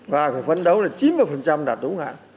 và phải phấn đấu là chín mươi đạt đúng hạn